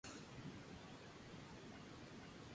Al mes siguiente en "SmackDown!